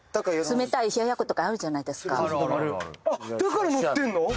あっだから載ってんの？